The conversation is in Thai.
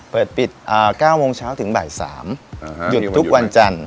เปิดปิด๙โมงเช้าถึงบ่าย๓หยุดทุกวันจันทร์